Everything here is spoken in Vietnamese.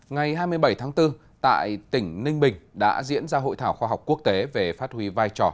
ngày hai mươi bảy tháng bốn tại tỉnh ninh bình đã diễn ra hội thảo khoa học quốc tế về phát huy vai trò